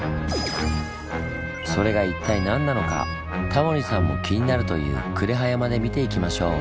それが一体何なのかタモリさんも気になるという呉羽山で見ていきましょう。